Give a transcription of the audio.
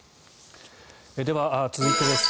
では続いてです。